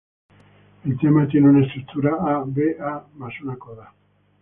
El tema tiene una estructura A-B-A más una coda.